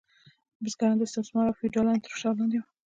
بزګران د استثمار او فیوډالانو تر فشار لاندې وو.